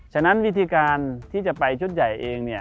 ฉะนั้นวิธีการที่จะไปชุดใหญ่เองเนี่ย